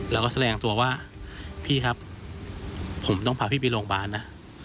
แล้วก็แสดงตัวว่าพี่ครับผมต้องพาพี่ไปโรงพยาบาลนะ